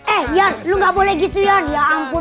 eh iyan lu gak boleh gitu iyan ya ampun